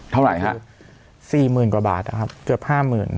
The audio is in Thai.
เท่าไหร่ฮะสี่หมื่นกว่าบาทนะครับเกือบห้าหมื่น